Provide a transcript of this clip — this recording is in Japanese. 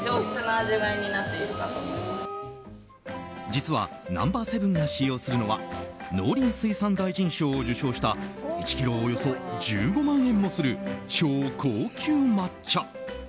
実は、Ｎｏ．７が使用するのは農林水産大臣賞を受賞した１ｋｇおよそ１５万円もする超高級抹茶。